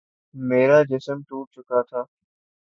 میرا جسم ٹوٹ چکا تھا